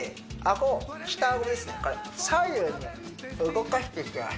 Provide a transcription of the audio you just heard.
これ左右に動かしていきます